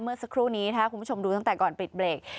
เมื่อสักครู่นี้ถ้าคุณผู้ชมดูตั้งแต่ก่อนปิดเบรก